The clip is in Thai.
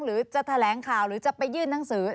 หรือจะแถลงข่าวหรือจะไปยื่นหนังสือ